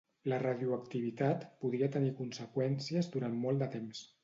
La radioactivitat podria tenir conseqüències durant molt de temps.